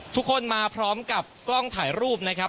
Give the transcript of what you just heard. ทุกคนมาพร้อมกับกล้องถ่ายรูปนะครับ